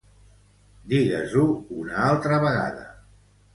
Digues-ho una altra vegada.